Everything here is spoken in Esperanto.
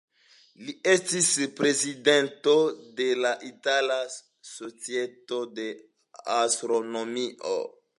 Li estis prezidento de la Itala Societo de Astronomio.